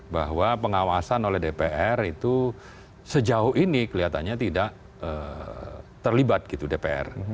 bahwa pengawasan oleh dpr itu sejauh ini kelihatannya tidak terlibat gitu dpr